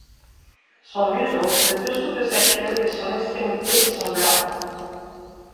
Son museau, le dessous de sa queue et son extrémité sont blancs.